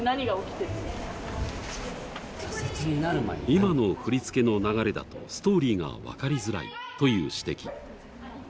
今の振り付けの流れだとストーリーが分かりづらいという指摘。